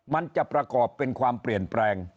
มันจะประกอบเป็นความเปลี่ยนแปลง